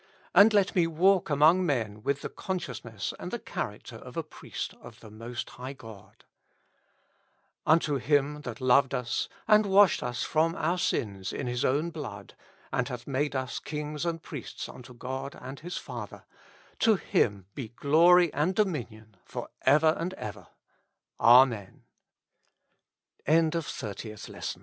And let me walk among men with the consciousness and the character of a priest of the Most High God. Unto Him that loved us, and washed us from our sins IN His own blood, and hath made us kings and priests unto God and His Father ; to Him be glory and dominion for